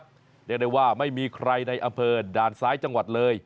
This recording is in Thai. เรียกได้ว่าไม่มีใครในอำเภอด่านซ้ายจังหวัดเลย